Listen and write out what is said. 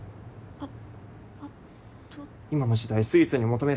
あっ！